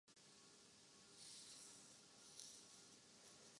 چاہنا تو مرے تئیں امداد خوب ہے۔